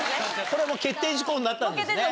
これはもう決定事項になったんですね？